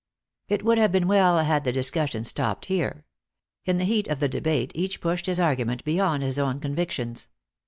It would have been well had the discussion stopped here. In the heat of debate each pushed his argu ment beyond his own convictions.